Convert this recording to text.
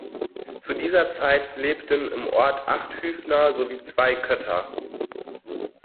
Zu dieser Zeit lebten im Ort acht Hüfner sowie zwei Kötter.